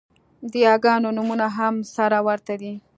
د یاګانو نومونه هم سره ورته دي